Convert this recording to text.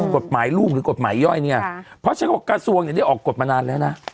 กฎหมายรูปหรือกฎหมายย่อยไงเพราะฉะนั้นกระทรวงได้ออกกฎมานานแล้วนะ